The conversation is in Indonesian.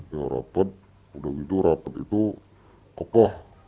ya rapet udah gitu rapet itu kokoh